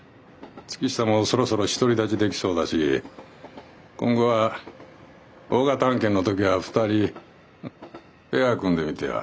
月下もそろそろ独り立ちできそうだし今後は大型案件の時は二人ペア組んでみては。